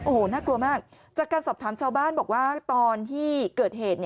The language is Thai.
โอ้โหน่ากลัวมากจากการสอบถามชาวบ้านบอกว่าตอนที่เกิดเหตุ